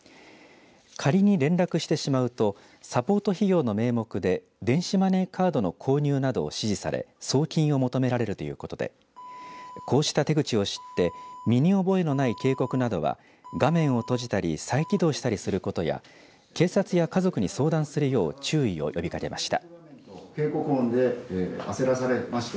仮に連絡してしまうとサポート費用の名目で電子マネーカードの購入などを指示され送金を求められるということでこうした手口を知って身に覚えのない警告などは画面を閉じたり再起動したりすることや警察や家族に相談するよう注意を呼びかけました。